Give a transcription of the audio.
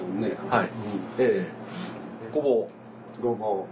はい。